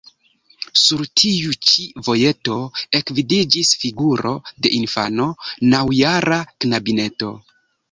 Sur tiu ĉi vojeto ekvidiĝis figuro de infano, naŭjara knabineto.